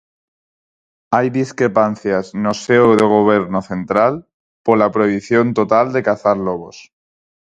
Hai discrepancias no seo do Goberno central pola prohibición total de cazar lobos.